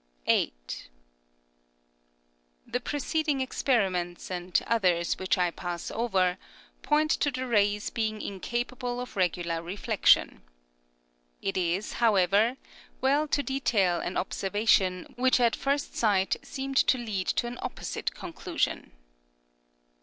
8. The preceding experiments, and others which I pass over, point to the rays being incapable of regular reflection. It is, however, well to detail an observation which at first sight seemed to lead to an opposite conclusion.